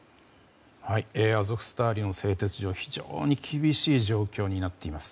アゾフスタリの製鉄所は非常に厳しい状況になっています。